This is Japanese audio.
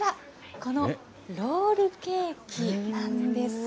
このロールケーキなんです。